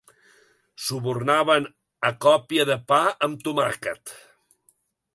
Subornàvem a còpia de pa amb tomàquet.